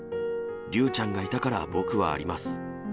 竜ちゃんがいたから僕はあります。